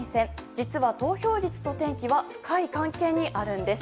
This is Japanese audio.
実は投票率と天気は深い関係にあるんです。